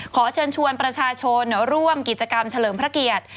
ขอเชิญชวนประชาชนร่วมกิจกรรมเฉลิมพระเกียรติ